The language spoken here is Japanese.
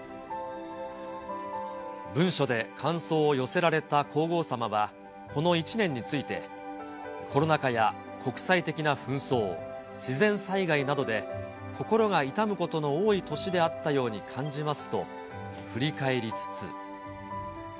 文書で感想を寄せられた皇后さまは、この一年について、コロナ禍や国際的な紛争、自然災害などで心が痛むことの多い年であったように感じますと振り返りつつ。